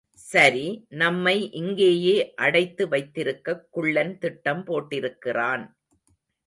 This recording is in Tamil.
சரி, நம்மை இங்கேயே அடைத்து வைத்திருக்கக் குள்ளன் திட்டம் போட்டிருக்கிறான்.